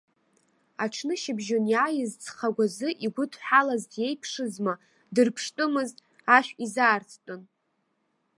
Аҽнышьыбжьон иааиз ҵхагәазы игәыдҳалаз диеиԥшызма, дырԥштәымызт, ашә изаарттәын.